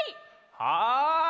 はい。